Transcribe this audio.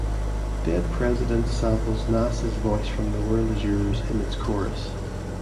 "Dead Presidents" samples Nas' voice from "The World Is Yours" in its chorus.